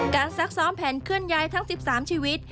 ซักซ้อมแผนเคลื่อนย้ายทั้ง๑๓ชีวิต